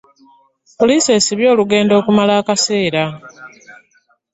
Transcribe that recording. Poliisi esibye oluguudo okumala ekaseera.